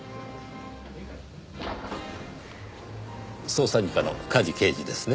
捜査二課の梶刑事ですね？